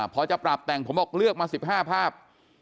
พอจะปรับแต่งผมบอกเลือกมา๑๕ภาพ